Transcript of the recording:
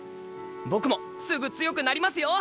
僕もすぐ強くなりますよ。